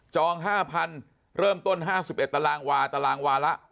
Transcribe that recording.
๕๐๐๐เริ่มต้น๕๑ตารางวาตารางวาละ